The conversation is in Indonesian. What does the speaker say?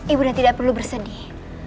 ibunda tidak perlu bersedih